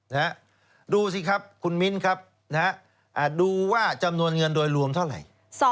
นะฮะดูสิครับคุณมิ้นครับนะฮะดูว่าจำนวนเงินโดยรวมเท่าไหร่